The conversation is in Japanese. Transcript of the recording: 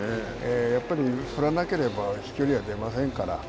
やっぱり振らなければ飛距離は出ませんから。